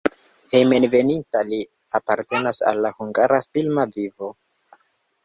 Hejmenveninta li apartenas al la hungara filma vivo.